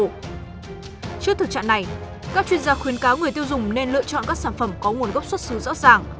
trước thực trạng này các chuyên gia khuyến cáo người tiêu dùng nên lựa chọn các sản phẩm có nguồn gốc xuất xứ rõ ràng